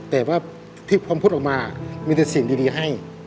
แต่ว่าที่พร้อมพูดออกมามีแต่สิ่งดีให้